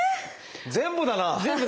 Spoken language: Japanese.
全部だな。